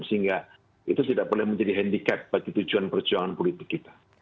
sehingga itu tidak boleh menjadi handicap bagi tujuan perjuangan politik kita